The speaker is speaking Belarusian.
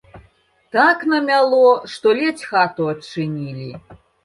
Так намяло, што ледзь хату адчынілі.